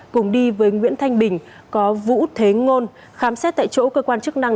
cùng đi với nguyễn thanh bình có vũ thế ngôn khám xét tại chỗ cơ quan chức năng